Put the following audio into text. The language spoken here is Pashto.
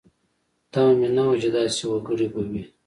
تمه مې نه وه چې داسې وګړي به وي.